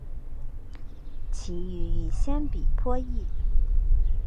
其语与鲜卑颇异。